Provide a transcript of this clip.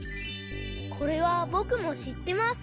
これはぼくもしってます。